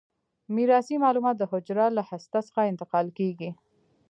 میراثي معلومات د حجره له هسته څخه انتقال کیږي.